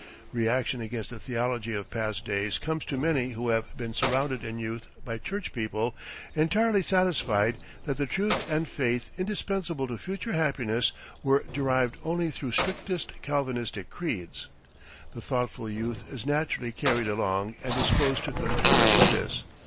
Reaction against the theology of past days comes to many who have been surrounded in youth by church people entirely satisfied that the truth and faith indispensable to future happiness were derived only through strictest Calvinistic creeds. The thoughtful youth is naturally carried along and disposed to concur in this.